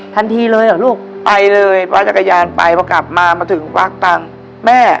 ทันทีเลยเหรอลูกไปเลยคว้าจักรยานไปพอกลับมามาถึงควักตังค์แม่